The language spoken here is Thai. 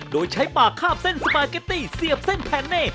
โดยใช้ปากคาบเส้นสปาเกตตี้เสียบเส้นแพนเน่